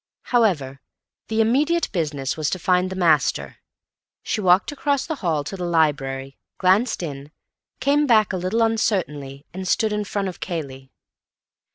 However, the immediate business was to find the master. She walked across the hall to the library, glanced in, came back a little uncertainly, and stood in front of Cayley.